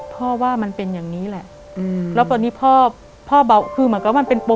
ว่ามันเป็นอย่างนี้แหละแล้วตอนนี้พ่อพ่อเบาคือเหมือนกับมันเป็นปู